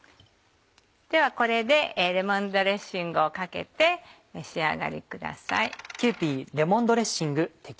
ではこれでレモンドレッシングをかけて召し上がりください。